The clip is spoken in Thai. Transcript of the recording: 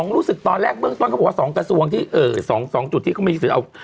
๒รู้สึกตอนแรกเบื้องต้นเขาบอกว่า๒กระทรวงที่เอ่อ๒จุดที่เขาไม่รู้สึก